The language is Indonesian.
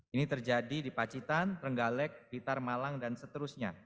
ini terjadi di pacitan trenggalek pitar malang dan seterusnya